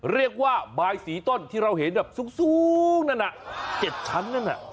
เรียกว่าบายสีต้นที่เราเห็นแบบสูงนั่น๗ชั้นนั่นน่ะ